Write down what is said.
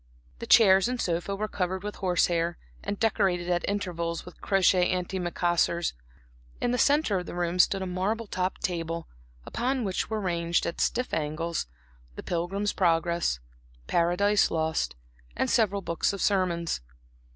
The chairs and sofa were covered with horse hair, and decorated, at intervals, with crochet anti macassars. In the centre of the room stood a marble topped table, upon which were ranged, at stiff angles, the Pilgrim's Progress, Paradise Lost, and several books of sermons.